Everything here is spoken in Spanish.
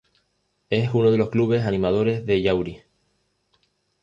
Es uno de los clubes animadores de Yauri.